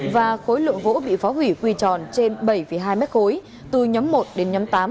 và khối lượng gỗ bị phá hủy quy tròn trên bảy hai mét khối từ nhóm một đến nhóm tám